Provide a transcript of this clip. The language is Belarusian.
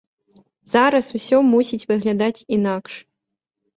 Зараз усё мусіць выглядаць інакш.